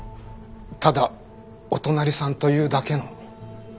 ただお隣さんというだけの。